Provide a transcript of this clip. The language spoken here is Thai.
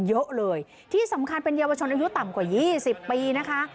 เยอะเลยที่สำคัญเป็นเยาวชนอายุต่ำกว่า๒๐ปีนะคะ